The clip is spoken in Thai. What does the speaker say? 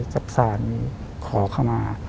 กับสารขอขมา